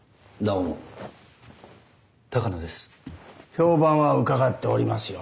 評判は伺っておりますよ